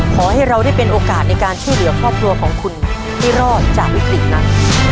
ขอให้เราได้เป็นโอกาสในการช่วยเหลือครอบครัวของคุณให้รอดจากวิกฤตนั้น